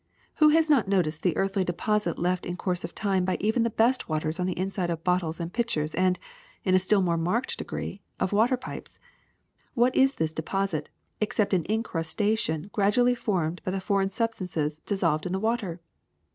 Who has not noticed the earthy deposit left in course of time by even the best waters on the inside of bottles and pitchers and, in a still more marked degree, of water pipes? What is this deposit except an incrustation gradually formed by the foreign substances dissolved in the water?